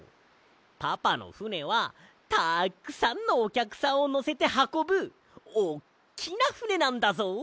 パパのふねはたっくさんのおきゃくさんをのせてはこぶおっきなふねなんだぞ。